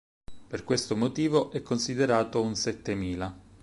Per questo motivo, è considerato un settemila.